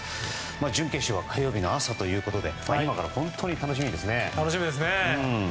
準決勝は火曜日の朝ということで今から本当に楽しみですね。